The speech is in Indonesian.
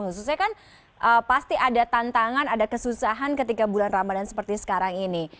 khususnya kan pasti ada tantangan ada kesusahan ketika bulan ramadhan seperti sekarang ini